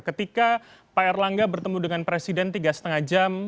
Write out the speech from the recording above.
ketika pak erlangga bertemu dengan presiden tiga lima jam